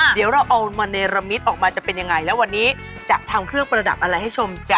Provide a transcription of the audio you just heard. เดี๋ยวเราเอามาเนรมิตออกมาจะเป็นยังไงแล้ววันนี้จะทำเครื่องประดับอะไรให้ชมจ้ะ